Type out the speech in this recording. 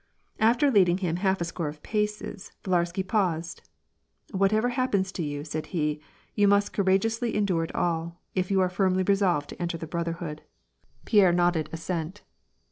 After leading him half a score of paces, Villarsky paused. " Whatever happens to you," said he, " you must courage ously endure it all, if you are firmly resolved to enter ^ Brotherhood." WAR AND PEACE. 77 Pierre nodded assent.